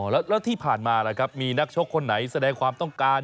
แล้วที่ผ่านมาล่ะครับมีนักชกคนไหนแสดงความต้องการ